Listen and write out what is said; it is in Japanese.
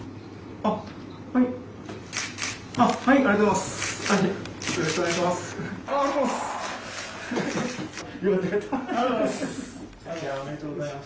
あっ、はい、ありがとうございます。